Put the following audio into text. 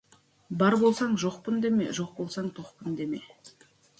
Бар болсаң, «жоқпын» деме, жоқ болсаң, «тоқпын» деме.